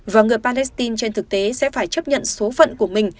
và người palestine trên thực tế sẽ phải chấp nhận số phận của mình